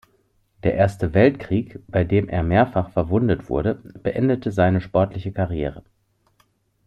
Der Erste Weltkrieg, bei dem er mehrfach verwundet wurde, beendete seine sportliche Karriere.